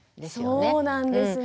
そうなんですね。